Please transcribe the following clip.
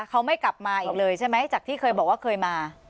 เขาไม่กลับมาอีกเลยใช่ไหมจากที่เคยบอกว่าเคยมา